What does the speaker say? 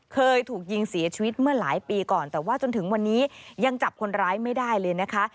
เคยถูกยิงเสียชีวิตเมื่อหลายปีก่อนแต่ว่าจนถึงวันนี้ยังจับคนร้ายไม่ได้เลยนะคะ